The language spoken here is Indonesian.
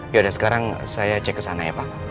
yaudah sekarang saya cek kesana ya pak